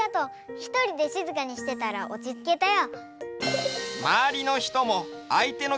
ひとりでしずかにしてたらおちつけたよ。